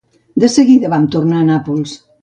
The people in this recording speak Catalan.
De seguida vam tornar a Nàpols.